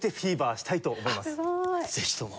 ぜひとも。